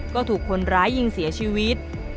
ก็ถูกคนร้ายยิงเสียชีวิต